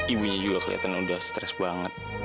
ibunya juga kelihatan udah stres banget